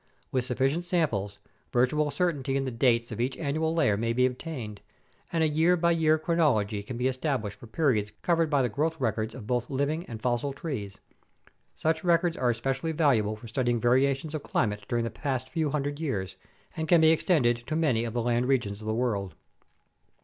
With sufficient samples, virtual certainty in the dates of each annual layer may be obtained, and a year by year chronology can be established for periods covered by the growth records of both living and fossil trees. Such records are especially valuable for studying variations of climate during the last few hundred years and can be extended to many of the land regions of the world.